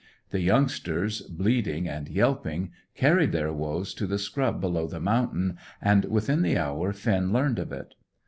The youngsters, bleeding and yelping, carried their woes to the scrub below the mountain, and within the hour Finn learned of it.